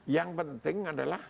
yang penting adalah